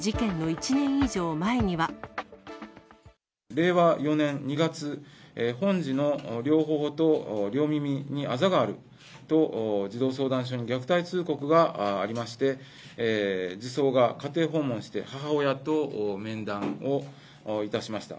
令和４年２月、本児の両ほほと両耳にあざがあると、児童相談所に虐待通告がありまして、児相が家庭訪問して、母親と面談をいたしました。